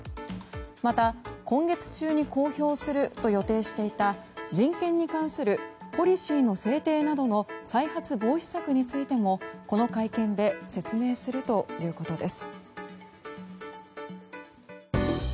また、今月中に公表すると予定していた人権に関するポリシーの制定などの再発防止策についてもこの会見で説明するということです。